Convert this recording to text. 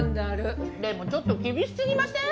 でもちょっと厳しすぎません？